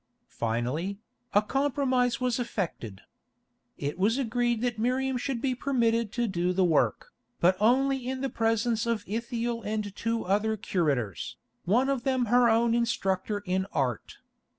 Finally, a compromise was effected. It was agreed that Miriam should be permitted to do the work, but only in the presence of Ithiel and two other curators, one of them her own instructor in art.